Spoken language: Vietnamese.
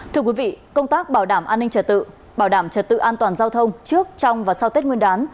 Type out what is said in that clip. thưa quý vị công tác bảo đảm an ninh trật tự bảo đảm trật tự an toàn giao thông trước trong và sau tết nguyên đán